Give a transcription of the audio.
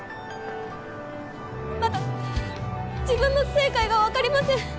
まだ自分の正解がわかりません。